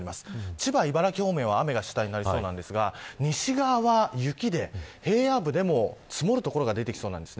千葉、茨城方面は雨が主体ですが西側は雪で平野部でも積もる所が出てきそうです。